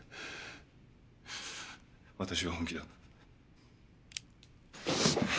私は本気だ。